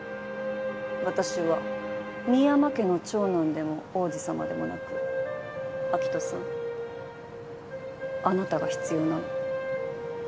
私は深山家の長男でも王子様でもなく明人さんあなたが必要なの。